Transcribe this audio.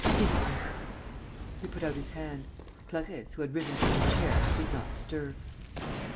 "Give it me." He put out his hand. Clarisse, who had risen from her chair, did not stir.